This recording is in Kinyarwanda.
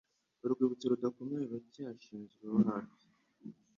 Urwibutso rudakomeye ruracyashizweho hafi,